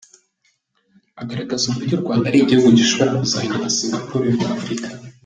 Agaragaza uburyo u Rwanda ari igihugu gishobora kuzahinduka Singapore yo muri Afurika.